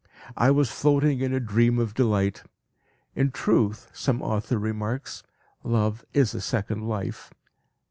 I was floating in a dream of delight. In truth, some author remarks, 'Love is a second life.'